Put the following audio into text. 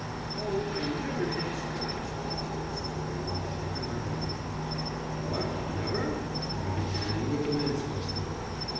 "Oh, I never take spirits," said Mrs. Railing, shaking her head. "What, never?" cried the Canon, with immense gusto.